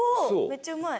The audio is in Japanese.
めっちゃうまい！